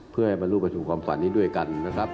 เพื่อให้มารู้ประชุมความสวรรค์นี้ด้วยกัน